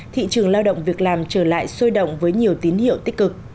thị trường lao động việc làm trở lại sôi động với nhiều tín hiệu tích cực